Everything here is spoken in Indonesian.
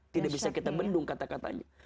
tidak bisa kita bendung kata katanya